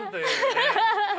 ハハハハ。